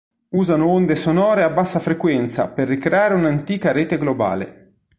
Usano onde sonore a bassa frequenza per ricreare un'antica rete globale.